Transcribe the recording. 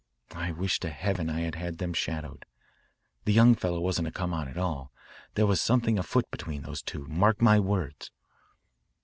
I wish to heaven I had had them shadowed. The young fellow wasn't a come on at all. There was something afoot between these two, mark my words."